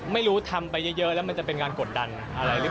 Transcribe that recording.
ไม่รู้ทำไปเยอะแล้วมันจะเป็นการกดดันอะไรหรือเปล่า